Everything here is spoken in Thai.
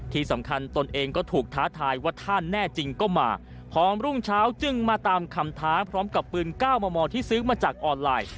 ตนเองก็ถูกท้าทายว่าท่านแน่จริงก็มาพร้อมรุ่งเช้าจึงมาตามคำท้าพร้อมกับปืน๙มมที่ซื้อมาจากออนไลน์